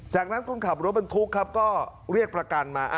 จากนั้นคนขับรถบรรทุกครับก็เรียกประกันมา